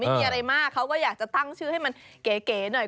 ไม่มีอะไรมากเขาก็อยากจะตั้งชื่อให้มันเก๋หน่อย